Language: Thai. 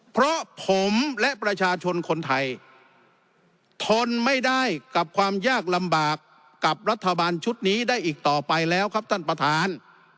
เพราะผมและประชาชนคนไทยทนไม่ได้กับความยากลำบากกับรัฐบาลชุดนี้ได้อีกต่อไปแล้วครับท่านประธาน